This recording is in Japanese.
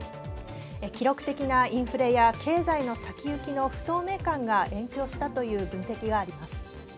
記録的なインフレや経済の先行きの不透明感が影響したという分析があります。